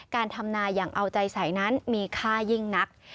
การทำนาอย่างเอาใจใสนั้นมีค่ายิ่งนัก